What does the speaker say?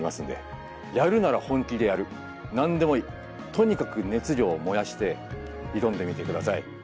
とにかく熱量を燃やして挑んでみて下さい。